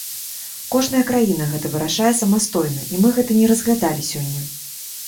Кожная краіна гэта вырашае самастойна, і мы гэта не разглядалі сёння.